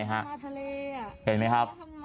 จะหาเหมาะ